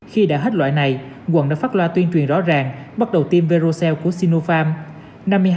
khi đã hết loại này quận đã phát loa tuyên truyền rõ ràng bắt đầu tiêm verocell của sinofarm